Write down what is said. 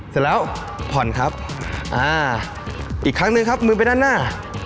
เสร็จแล้วผ่อนครับอ่าอีกครั้งหนึ่งครับมือไปด้านหน้า